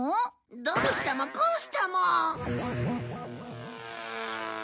どうしたもこうしたも！